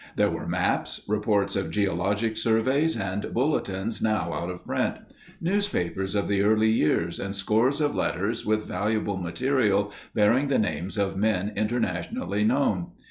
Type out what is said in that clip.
There were maps, reports of geologic surveys, and bulletins now out of print; newspapers of the early years and scores of letters with valuable material bearing the names of men internationally known.